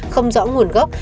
không rõ nguồn gốc